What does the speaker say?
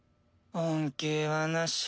恩恵はなし。